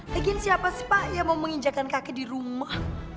lagian siapa sih pak yang mau menginjakan kaki di rumah